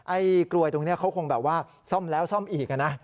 กลวยตรงนี้เขาคงแบบว่าซ่อมแล้วซ่อมอีกนะ